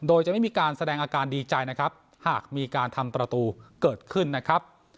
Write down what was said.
โดยจะไม่มีการแสดงอาการดีใจนะครับหากมีการทำประตูเกิดขึ้นนะครับ